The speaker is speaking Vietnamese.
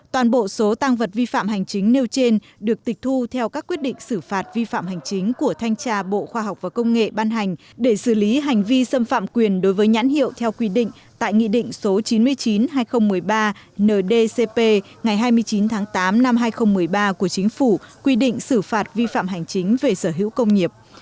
toàn bộ số tăng vật vi phạm hành chính nêu trên được tịch thu theo các quyết định xử phạt vi phạm hành chính của thanh tra bộ khoa học và công nghệ ban hành để xử lý hành vi xâm phạm quyền đối với nhãn hiệu theo quy định tại nghị định số chín mươi chín hai nghìn một mươi ba ndcp ngày hai mươi chín tháng tám năm hai nghìn một mươi ba của chính phủ quy định xử phạt vi phạm hành chính về sở hữu công nghiệp